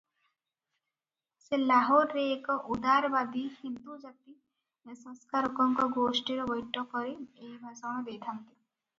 ସେ ଲାହୋରରେ ଏକ ଉଦାରବାଦୀ ହିନ୍ଦୁ ଜାତି-ସଂସ୍କାରକଙ୍କ ଗୋଷ୍ଠୀର ବୈଠକରେ ଏହି ଭାଷଣ ଦେଇଥାନ୍ତେ ।